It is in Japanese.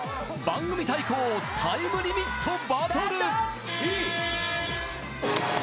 番組対抗タイムリミットバトル！